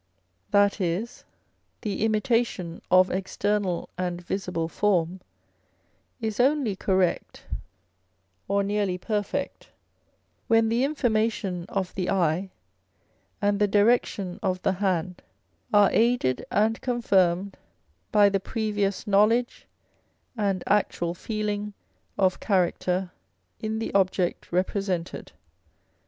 That is, the imitation of external and visible form is only correct or nearly perfect, when the information of the eye and the direction of the hand are aided and confirmed by the previous knowledge and actual feeling of character in the object represented.